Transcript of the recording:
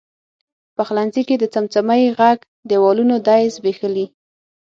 پخلنځي کې د څمڅۍ ږغ، دیوالونو دی زبیښلي